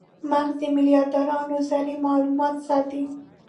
مغز په میلیاردونو ذرې مالومات ساتي.